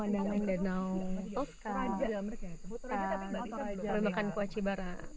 danau toska dan perlengkapan kuaci bara